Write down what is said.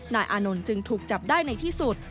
อานนท์จึงถูกจับได้ในที่สุด